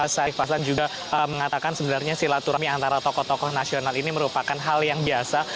saif hasan juga mengatakan sebenarnya silaturahmi antara tokoh tokoh nasional ini merupakan hal yang biasa